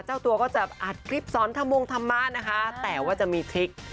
เจ้าตัวก็จะอัดคลิปซ้อนทำวงทำมาสนะคะแต่ว่าจะมีคลิก